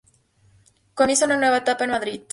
Comienza una nueva etapa en Madrid.